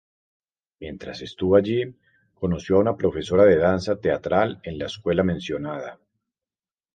Mientras estuvo allí, conoció a una profesora de danza teatral en la escuela mencionada.